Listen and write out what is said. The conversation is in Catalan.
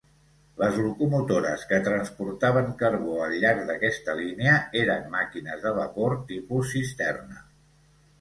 Les locomotores que transportaven carbó al llarg d'aquesta línia eren màquines de vapor tipus cisterna.